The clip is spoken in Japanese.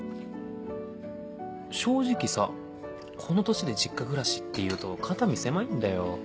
正直さこの年で実家暮らしっていうと肩身狭いんだよ。